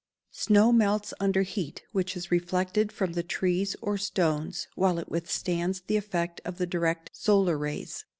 Snow melts under heat which is reflected from the trees or stones while it withstands the effect of the direct solar rays.